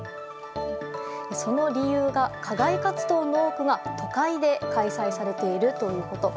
その理由は課外活動の多くが都会で開催されているということ。